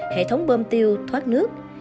hệ thống bơm tiêu thoát nước